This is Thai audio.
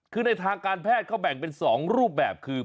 คือในทางการแพทย์เขาแบ่งเป็น๒รูปแบบคือ